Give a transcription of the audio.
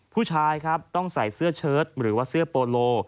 ผู้ชายครับต้องใส่เสื้อเชิดหรือว่าเสื้อโปโล